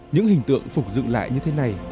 những hình tượng phục dựng lại như thế này